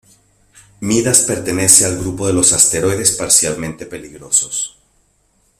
Midas pertenece al grupo de los asteroides potencialmente peligrosos.